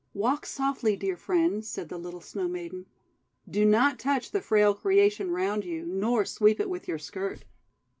"Walk softly, dear Friend," said the little Snow Maiden. " Do not touch the frail creation round you, nor sweep it with your skirt.